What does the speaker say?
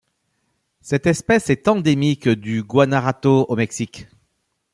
Cette espèce est endémique du Guanajuato au Mexique.